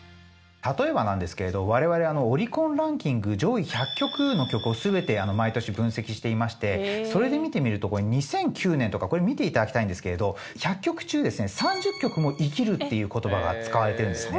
例えばなんですけれど我々オリコンランキング上位１００曲の曲を全て毎年分析していましてそれで見てみると２００９年とか見ていただきたいんですけれど１００曲中ですね３０曲も「生きる」っていう言葉が使われてるんですね。